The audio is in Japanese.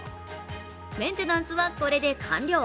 メンテナンスはこれで完了。